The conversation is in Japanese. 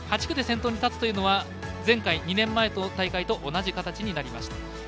８区で先頭に立つというのは前回２年前の大会と同じ形になりました。